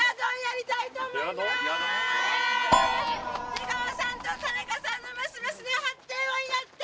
出川さんと田中さんの益々の発展を祈って！